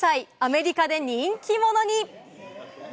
アメリカで人気者に！